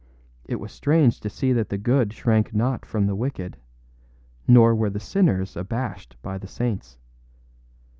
It was strange to see that the good shrank not from the wicked, nor were the sinners abashed by the saints.